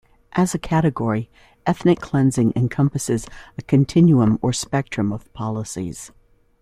As a category, ethnic cleansing encompasses a continuum or spectrum of policies.